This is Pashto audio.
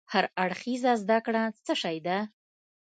هر اړخيزه زده کړه څه شی ده؟